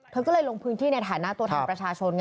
เธอก็เลยลงพื้นที่ในฐานะตัวแทนประชาชนไง